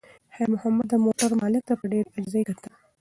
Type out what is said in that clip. خیر محمد د موټر مالک ته په ډېرې عاجزۍ کتل.